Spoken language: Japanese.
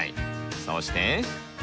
そして。